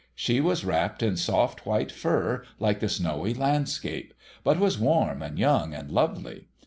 She was wrapped in soft white fur, like the snowy landscape : but was warm, and young, and lovely.